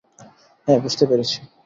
হ্যাঁ, বুঝতে পারছি।